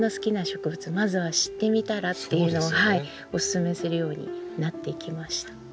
まずは知ってみたら？っていうのをお勧めするようになっていきました。